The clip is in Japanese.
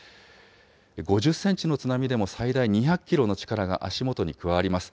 ５０センチの津波でも最大２００キロの力が足元に加わります。